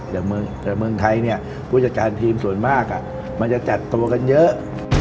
อย่างเมืองไทยเนี่ยผู้จัดการทีมส่วนมากมันจะจัดตัวกันเยอะ